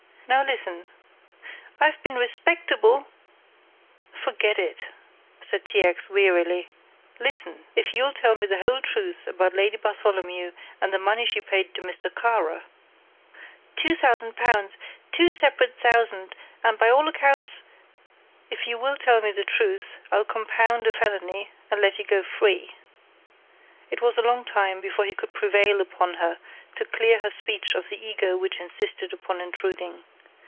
"Now listen " "I've been respectable " "Forget it!" said T. X., wearily. "Listen! If you'll tell me the whole truth about Lady Bartholomew and the money she paid to Mr. Kara " "Two thousand pounds two separate thousand and by all accounts " "If you will tell me the truth, I'll compound a felony and let you go free." It was a long time before he could prevail upon her to clear her speech of the ego which insisted upon intruding.